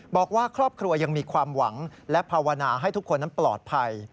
บอกว่าครอบครัวยังมีความหวังและภาวนาให้ทุกคนนั้นปลอดภัย